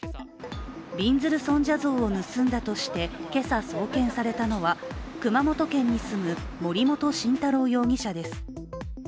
びんずる尊者像を盗んだとして今朝、送検されたのは熊本県に住む森本晋太郎容疑者です。